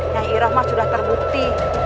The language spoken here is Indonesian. yang irohma sudah terbukti